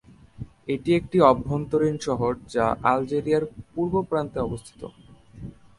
এটি একটি অভ্যন্তরীণ শহর, যা আলজেরিয়ার পূর্ব প্রান্তে অবস্থিত।